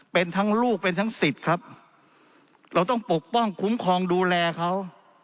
เป็นทั้งลูกเป็นทั้งสิทธิ์ครับเราต้องปกป้องคุ้มครองดูแลเขา